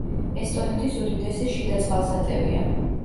ესტონეთის უდიდესი შიდა წყალსატევია.